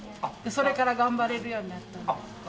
それから頑張れるようになったんです。